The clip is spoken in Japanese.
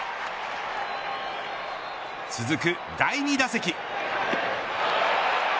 続く第２打席。